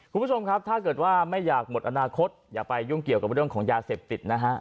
คุณผู้ชมครับถ้าเกิดว่าไม่อยากหมดอนาคตอย่าไปยุ่งเกี่ยวกับเรื่องของยาเสพติดนะฮะ